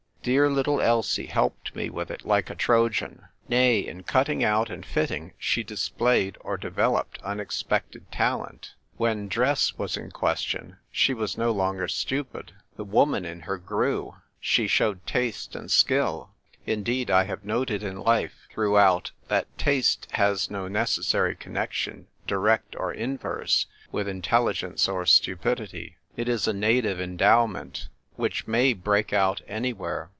Dear little Elsie helped me with it like a Trojan. Nay, in cutting out and fitting she displayed or developed unexpected talent. When dress was in question she was no longer stupid ; the woman in her grew ; she showed taste and skill ; indeed, I have noted in life, throughout, that taste has no necessary connection, direct or inverse, with intelligence or stupidity ; it is a native endowment which l80 THE TYI'E WRITER GIRL. may break out anywhere.